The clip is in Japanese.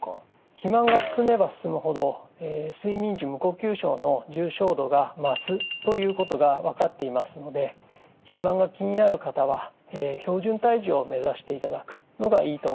肥満が進めば進むほど睡眠時無呼吸症の重症度が増すということが分かっていますので肥満が気になる方は標準体重を目指していただくのがいいと思います。